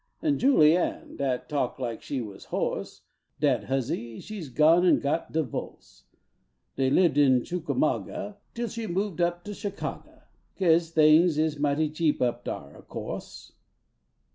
An Jiilie Ann dat talk like she was hoarse, Dat huzzy she s done gone an got divorce, Dey lived in Chickamauga Till she moved up to Chicagah, Kase tings is mighty cheap up dar ob course.